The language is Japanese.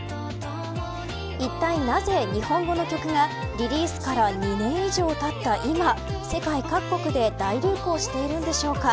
いったい、なぜ日本語の曲がリリースから２年以上たった今世界各国で大流行しているのでしょうか。